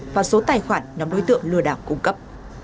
vào số tài khoản nhóm đối tượng lừa đảo cung cấp